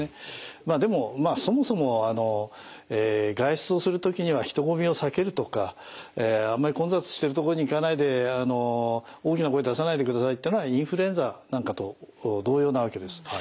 まあでもそもそも外出をする時には人混みを避けるとかあんまり混雑してるとこに行かないで大きな声出さないでくださいってのはインフルエンザなんかと同様なわけです。